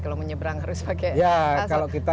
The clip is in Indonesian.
kalau menyebrang harus pakai paspor ya kalau kita